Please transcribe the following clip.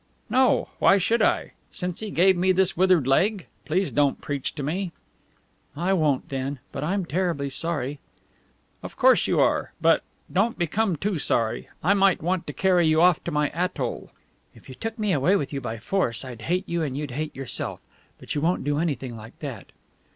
"No. Why should I, since He gave me this withered leg? Please don't preach to me." "I won't, then. But I'm terribly sorry." "Of course you are. But don't become too sorry. I might want to carry you off to my atoll." "If you took me away with you by force, I'd hate you and you'd hate yourself. But you won't do anything like that."